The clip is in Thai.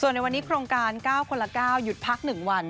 ในวันนี้โครงการ๙คนละ๙หยุดพัก๑วัน